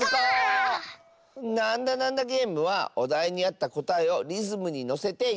「なんだなんだゲーム」はおだいにあったこたえをリズムにのせていっていくゲームだよ。